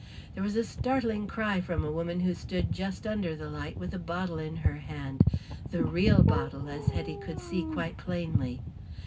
There was a startling cry from a woman who stood just under the light with a bottle in her hand the real bottle, as Hetty could see quite plainly.